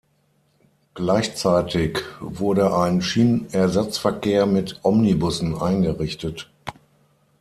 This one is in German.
Gleichzeitig wurde ein Schienenersatzverkehr mit Omnibussen eingerichtet.